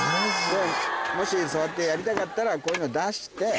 もしそうやってやりたかったらこういうの出して。